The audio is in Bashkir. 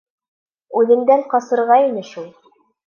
— Үҙемдән ҡасырға ине шул.